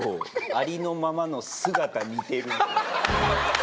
ありのままの姿煮てるのよ。